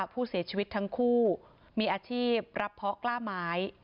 ผู้เสียชีวิตทั้งคู่มีอาชีพรับเพาะกล้าไม้